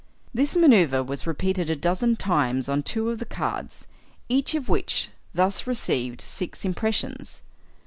This manoeuvre was repeated a dozen times on two of the cards, each of which thus received six impressions.